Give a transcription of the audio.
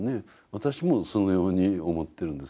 私もそのように思ってるんですけどね。